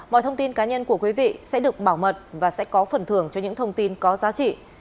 mọi thông tin cá nhân của quý vị sẽ được bảo mật và sẽ có phần thưởng cho những thông tin có giá trị